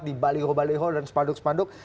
di baliho baliho dan sepanduk sepanduk